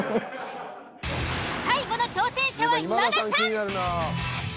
最後の挑戦者は今田さん。